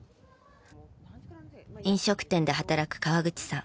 飲食店で働く川口さん。